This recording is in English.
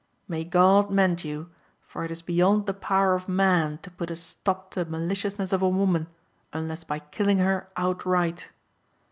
May God mend you, for it is beyond the power of man to put a stop to the maliciousness of a woman, unless by killing her outright.